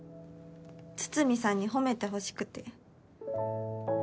筒見さんに褒めてほしくて。